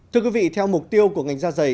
thưa quý vị theo mục tiêu của ngành da dày